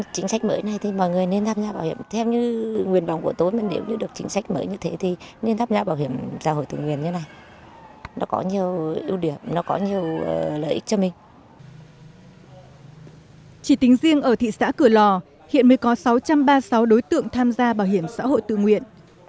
chỉ tính riêng ở thị xã cửa lò hiện mới có sáu trăm ba mươi sáu đối tượng tham gia bảo hiểm xã hội tự nguyện